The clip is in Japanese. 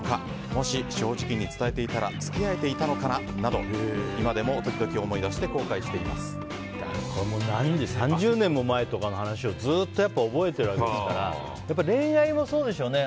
もし正直に伝えていたら付き合えていたのかななど今でも時々３０年前とかの話をずっと、やっぱり覚えているわけですから恋愛もそうでしょうね。